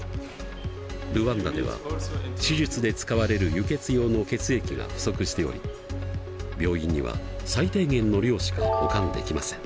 ルワンダでは手術で使われる輸血用の血液が不足しており病院には最低限の量しか保管できません。